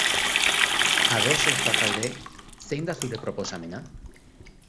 Ados ez bazaude, zein da zure proposamena?